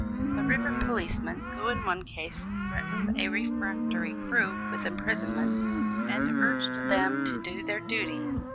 "The river policeman who in one case threatened a refractory crew with imprisonment, and urged them to do their duty